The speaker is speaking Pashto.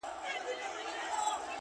پاس پر پالنگه اكثر،